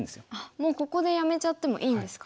もうここでやめちゃってもいいんですか。